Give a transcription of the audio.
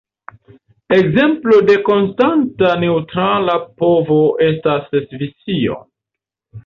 Ekzemplo de konstanta neŭtrala povo estas Svisio.